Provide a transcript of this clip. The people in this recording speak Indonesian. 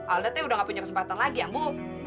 alda teh udah gak punya kesempatan lagi abu